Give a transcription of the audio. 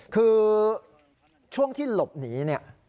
คือช่วงที่หลบหนีเนี่ย